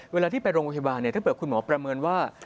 เวลาที่ไปโรงพยาบาลถ้าเกิดคุณหมอประเมินว่า